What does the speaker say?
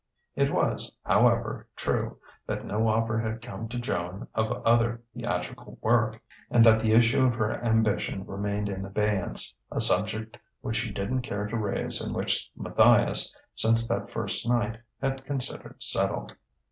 It was, however, true that no offer had come to Joan of other theatrical work, and that the issue of her ambition remained in abeyance, a subject which she didn't care to raise and which Matthias, since that first night, had considered settled.